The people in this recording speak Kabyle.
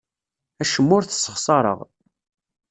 Acemma ur t-ssexṣareɣ.